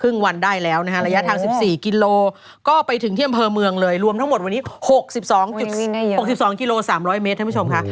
วันได้แล้วนะฮะระยะทาง๑๔กิโลก็ไปถึงที่อำเภอเมืองเลยรวมทั้งหมดวันนี้๖๒๖๒กิโล๓๐๐เมตรท่านผู้ชมค่ะ